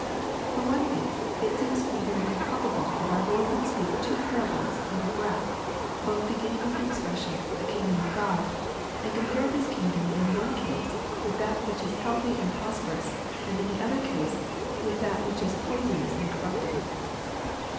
For one thing, it seems to me very improbable that our Lord would speak two parables in a breath, both beginning with the expression, " the kingdom of God," and compare this kingdom, in one case, with that which is healthy and prosperous, and in the other case, with that which is poisonous and corrupting.